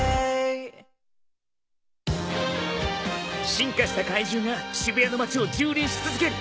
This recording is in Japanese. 進化した怪獣が渋谷の街をじゅうりんし続ける。